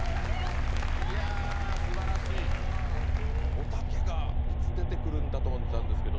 おたけがいつ出てくるんだと思ったんですけど。